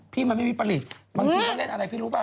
พี่มันไม่มีผลิตบางทีเขาเล่นอะไรพี่รู้ป่